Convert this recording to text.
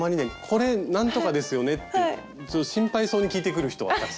これなんとかですよね？って心配そうに聞いてくる人はたくさんいます。